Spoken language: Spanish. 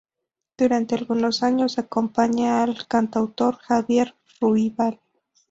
Durante algunos años, acompaña al cantautor Javier Ruibal.